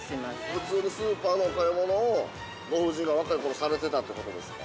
◆普通にスーパーのお買い物をご夫人が若いころされてたということですか。